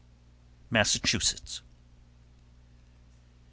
Massachusetts. 2.